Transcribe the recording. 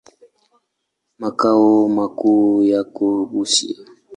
Makao makuu yako Busia.